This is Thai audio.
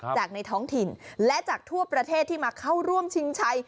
จากในท้องถิ่นและจากทั่วประเทศที่มาเข้าร่วมชิงชัย